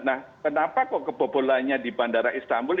nah kenapa kok kebobolannya di bandara istanbul